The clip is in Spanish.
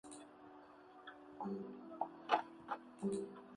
Apenas hay llanuras costeras.